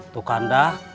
tuh kan dah